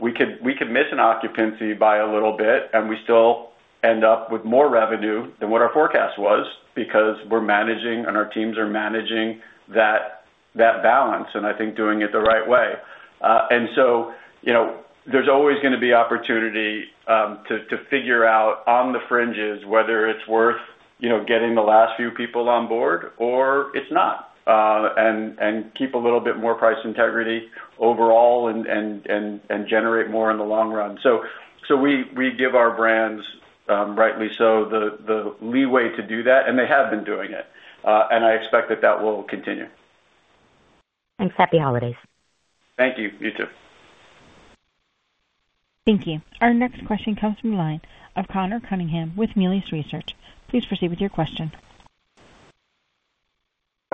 we could miss an occupancy by a little bit, and we still end up with more revenue than what our forecast was because we're managing, and our teams are managing that balance, and I think doing it the right way. So there's always going to be opportunity to figure out on the fringes whether it's worth getting the last few people on board or it's not and keep a little bit more price integrity overall and generate more in the long run. We give our brands, rightly so, the leeway to do that, and they have been doing it. I expect that that will continue. Happy holidays. Thank you. You too. Thank you. Our next question comes from the line of Conor Cunningham with Mealy's Research. Please proceed with your question.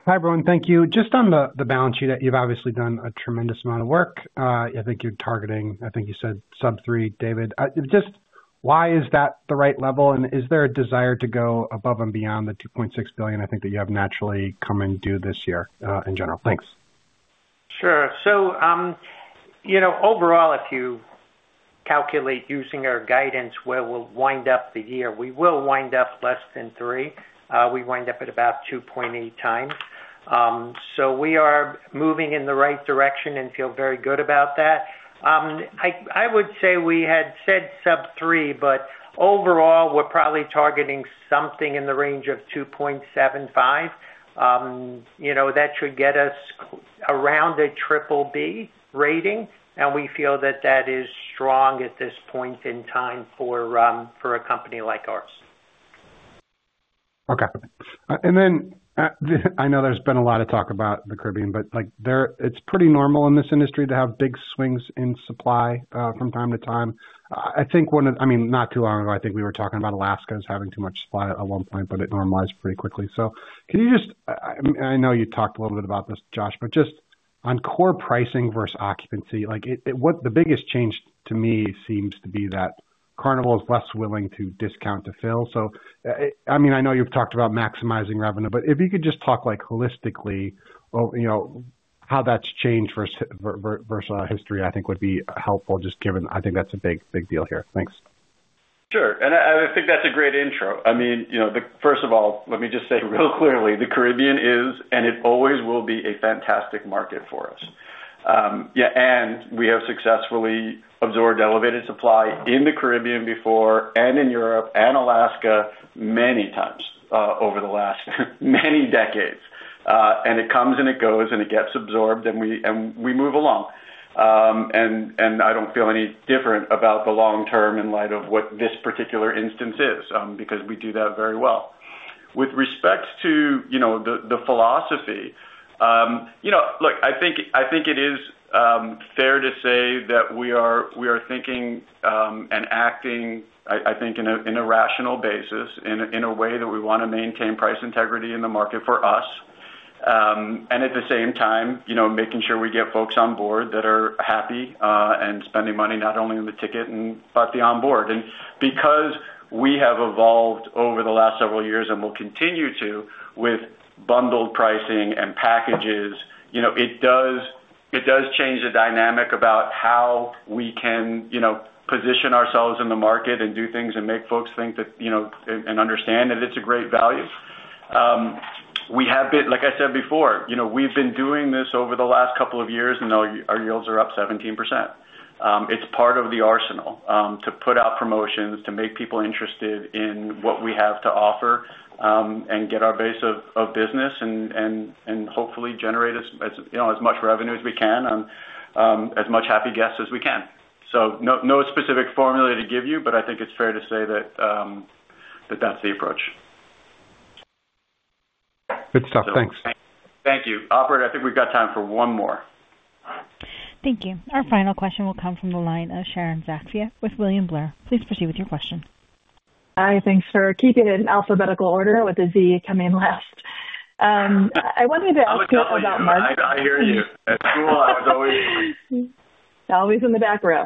Hi, everyone. Thank you. Just on the balance sheet, you've obviously done a tremendous amount of work. I think you're targeting, I think you said sub-three, David. Just why is that the right level, and is there a desire to go above and beyond the $2.6 billion, I think, that you have naturally come and do this year in general? Thanks. Sure. So overall, if you calculate using our guidance, where we'll wind up the year, we will wind up less than three. We wind up at about 2.8 times. So we are moving in the right direction and feel very good about that. I would say we had said sub-three, but overall, we're probably targeting something in the range of 2.75. That should get us around a triple B rating, and we feel that that is strong at this point in time for a company like ours. Okay. And then I know there's been a lot of talk about the Caribbean, but it's pretty normal in this industry to have big swings in supply from time to time. I think one of—I mean, not too long ago, I think we were talking about Alaska as having too much supply at one point, but it normalized pretty quickly. So can you just—I know you talked a little bit about this, Josh, but just on core pricing versus occupancy, the biggest change to me seems to be that Carnival is less willing to discount to fill. So I mean, I know you've talked about maximizing revenue, but if you could just talk holistically how that's changed versus history, I think would be helpful just given—I think that's a big deal here. Thanks. Sure. And I think that's a great intro. I mean, first of all, let me just say real clearly, the Caribbean is, and it always will be, a fantastic market for us. Yeah. And we have successfully absorbed elevated supply in the Caribbean before and in Europe and Alaska many times over the last many decades. And it comes and it goes, and it gets absorbed, and we move along. And I don't feel any different about the long term in light of what this particular instance is because we do that very well. With respect to the philosophy, look, I think it is fair to say that we are thinking and acting, I think, in a rational basis in a way that we want to maintain price integrity in the market for us. And at the same time, making sure we get folks on board that are happy and spending money not only on the ticket but the onboard. And because we have evolved over the last several years and will continue to with bundled pricing and packages, it does change the dynamic about how we can position ourselves in the market and do things and make folks think and understand that it's a great value. We have been, like I said before, we've been doing this over the last couple of years, and our yields are up 17%. It's part of the arsenal to put out promotions, to make people interested in what we have to offer and get our base of business and hopefully generate as much revenue as we can and as much happy guests as we can. So no specific formula to give you, but I think it's fair to say that that's the approach. Good stuff. Thanks. Thank you. Operator, I think we've got time for one more. Thank you. Our final question will come from the line of Sharon Zackfia with William Blair. Please proceed with your question. Hi. Thanks for keeping it in alphabetical order with the Z coming last. I wanted to ask about marketing. I hear you. It's cool. I was always in the back row.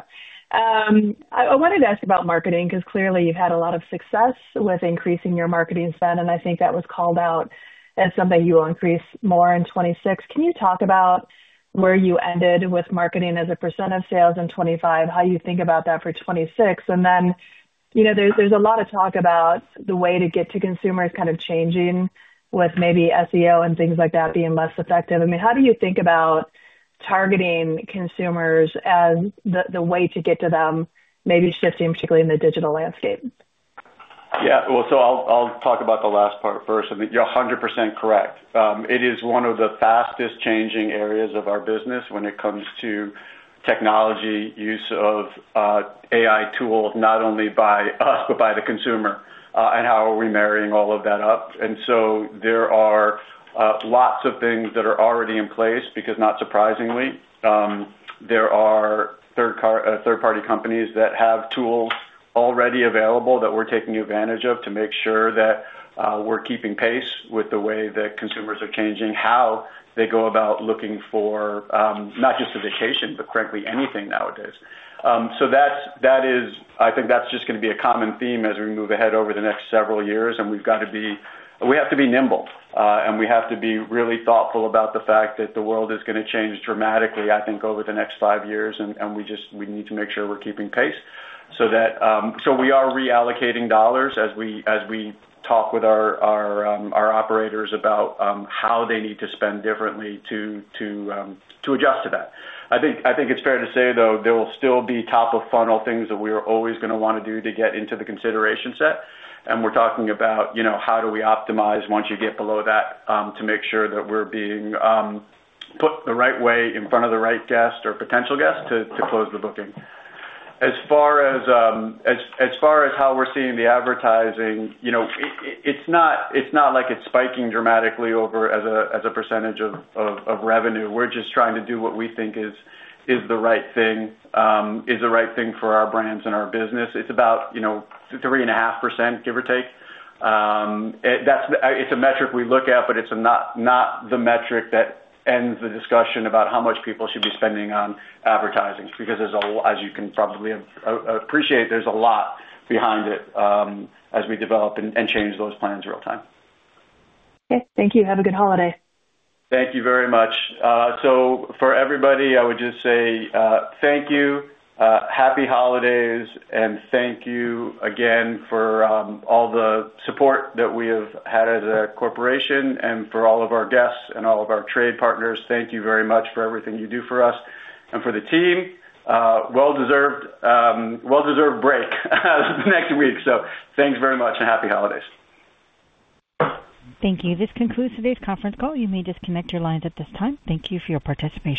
I wanted to ask about marketing because clearly you've had a lot of success with increasing your marketing spend, and I think that was called out as something you will increase more in 2026. Can you talk about where you ended with marketing as a % of sales in 2025, how you think about that for 2026? And then there's a lot of talk about the way to get to consumers kind of changing with maybe SEO and things like that being less effective. I mean, how do you think about targeting consumers as the way to get to them, maybe shifting particularly in the digital landscape? Yeah. Well, so I'll talk about the last part first. I think you're 100% correct. It is one of the fastest changing areas of our business when it comes to technology use of AI tools, not only by us but by the consumer, and how are we marrying all of that up. And so there are lots of things that are already in place because, not surprisingly, there are third-party companies that have tools already available that we're taking advantage of to make sure that we're keeping pace with the way that consumers are changing how they go about looking for not just a vacation, but frankly, anything nowadays. So I think that's just going to be a common theme as we move ahead over the next several years, and we've got to be, we have to be nimble, and we have to be really thoughtful about the fact that the world is going to change dramatically, I think, over the next five years, and we need to make sure we're keeping pace so that we are reallocating dollars as we talk with our operators about how they need to spend differently to adjust to that. I think it's fair to say, though, there will still be top-of-funnel things that we are always going to want to do to get into the consideration set. And we're talking about how do we optimize once you get below that to make sure that we're being put the right way in front of the right guest or potential guest to close the booking. As far as how we're seeing the advertising, it's not like it's spiking dramatically over as a percentage of revenue. We're just trying to do what we think is the right thing, is the right thing for our brands and our business. It's about 3.5%, give or take. It's a metric we look at, but it's not the metric that ends the discussion about how much people should be spending on advertising because, as you can probably appreciate, there's a lot behind it as we develop and change those plans real-time. Okay. Thank you. Have a good holiday. Thank you very much. So for everybody, I would just say thank you. Happy holidays. And thank you again for all the support that we have had as a corporation and for all of our guests and all of our trade partners. Thank you very much for everything you do for us and for the team. Well-deserved break next week. So thanks very much and happy holidays. Thank you. This concludes today's conference call. You may disconnect your lines at this time. Thank you for your participation.